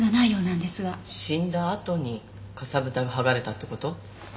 死んだあとにかさぶたが剥がれたって事？